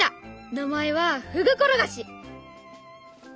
名前はふぐころがし！